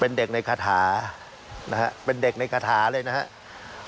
เป็นเด็กในคาถานะฮะเป็นเด็กในคาถาเลยนะครับ